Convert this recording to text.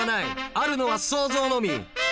あるのは創造のみ。